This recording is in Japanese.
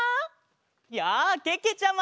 やあけけちゃま！